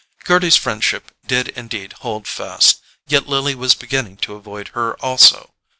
Gerty's friendship did indeed hold fast; yet Lily was beginning to avoid her also.